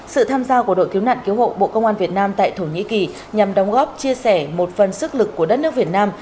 sự tham gia của đội cứu nạn cứu hộ bộ công an việt nam tại thổ nhĩ kỳ nhằm đóng góp chia sẻ một phần sức lực của đất nước việt nam